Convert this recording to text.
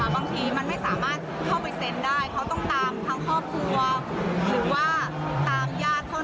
บางทีมันไม่สามารถเข้าไปเซ็นได้เขาต้องตามทั้งครอบครัวหรือว่าตามญาติเขา